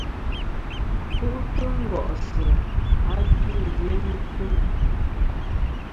Ku'tɨ ngòsɨ a djuyeyn etm.